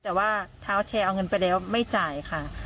แต่ว่าเท้าแชร์เอาเงินไปแล้วไม่จ่ายค่ะ